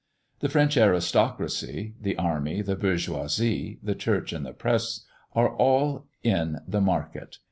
The French aristocracy, the army, the bourgeoisie, the church, and the press, are all in the market.